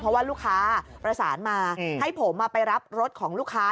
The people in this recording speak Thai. เพราะว่าลูกค้าประสานมาให้ผมไปรับรถของลูกค้า